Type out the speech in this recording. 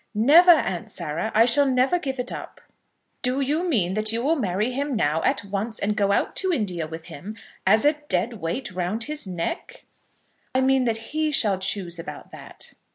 "Never, Aunt Sarah. I shall never give it up." "Do you mean that you will marry him now, at once, and go out to India with him, as a dead weight round his neck?" "I mean that he shall choose about that."